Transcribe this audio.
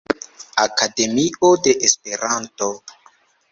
Akademio de Esperanto.